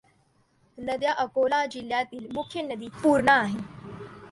नद्या अकोला जिल्ह्यातील मुख्य नदी पूर्णा आहे.